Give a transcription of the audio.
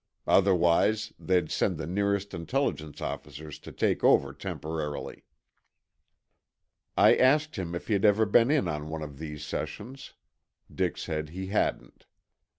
Otherwise, they'd send the nearest Intelligence officers to take over temporarily." I asked him if he had ever been in on one of thee sessions. Dick said he hadn't.